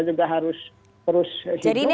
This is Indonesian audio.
juga harus terus hidup jadi ini